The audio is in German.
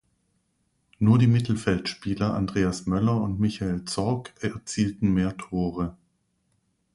Nur die Mittelfeldspieler Andreas Möller und Michael Zorc erzielten mehr Tore.